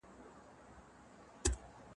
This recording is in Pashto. يوازي ژوند به ورته ممکن او اسانه وي.